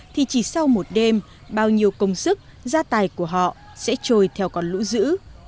thì chỉ sau một đêm bao nhiêu công sức gia tài của họ sẽ trôi theo con lũ dữ